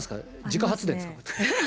自家発電ですか？